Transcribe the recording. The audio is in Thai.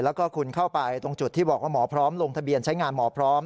แล้วก็คุณเข้าไปตรงจุดที่บอกว่าหมอพร้อมลงทะเบียนใช้งานหมอพร้อม